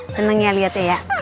seneng ya liatnya ya